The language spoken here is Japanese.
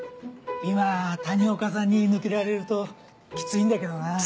今谷岡さんに抜けられるとキツいんだけどな。